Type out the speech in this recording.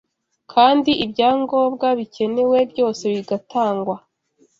kandi ibyangombwa bikenewe byose bigatangwa